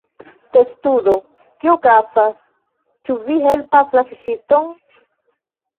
Testudo: "Kio okazas? Ĉu vi helpas la fiŝiston?"